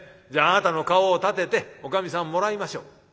じゃああなたの顔を立てておかみさんもらいましょう。